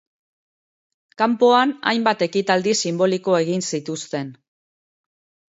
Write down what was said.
Kanpoan, hainbat ekitaldi sinboliko egin zituzten.